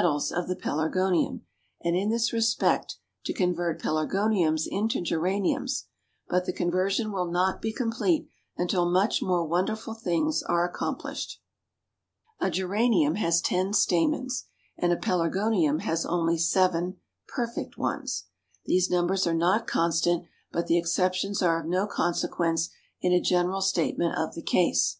The florists are doing their utmost to obliterate the irregularity of the petals of the Pelargonium, and in this respect to convert Pelargoniums into Geraniums, but the conversion will not be complete until much more wonderful things are accomplished. A Geranium has ten stamens, and a Pelargonium has only seven (perfect ones). These numbers are not constant, but the exceptions are of no consequence in a general statement of the case.